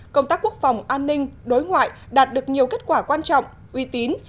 công tác quốc phòng an ninh đối ngoại đạt được nhiều kết quả quan trọng uy tín